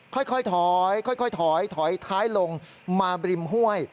ค่อยถอยถอยท้ายลงมาริมห้วย